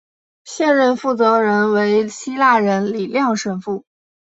现任负责人为希腊人李亮神父。